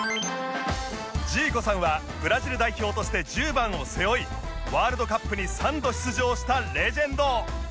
ジーコさんはブラジル代表として１０番を背負いワールドカップに３度出場したレジェンド